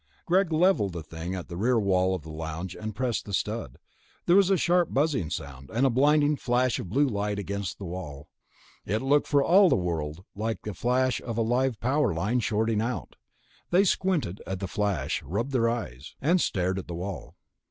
Greg leveled the thing at the rear wall of the lounge and pressed the stud. There was a sharp buzzing sound, and a blinding flash of blue light against the wall. It looked for all the world like the flash of a live power line shorting out. They squinted at the flash, rubbed their eyes.... And stared at the wall.